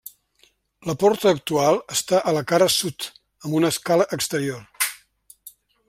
La porta actual està a la cara sud, amb una escala exterior.